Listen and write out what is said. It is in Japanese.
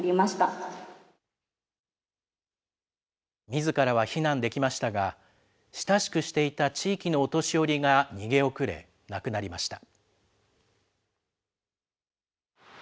みずからは避難できましたが、親しくしていた地域のお年寄りが逃げ遅れ、亡くなりました。